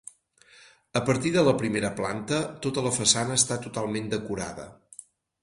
A partir de la primera planta, tota la façana està totalment decorada.